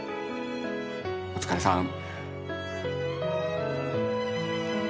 お疲れさん